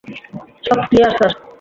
সব clear, sir.